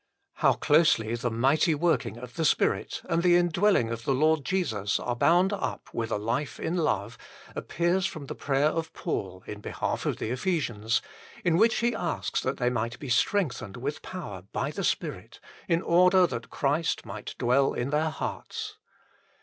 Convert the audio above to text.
How closely the mighty working of the Spirit and the indwelling of the Lord Jesus are bound up with a life in love appears from the prayer of Paul in behalf of the Ephesians, in which he asks that they might be strengthened with power by the Spirit, in order that Christ might dwell in their hearts.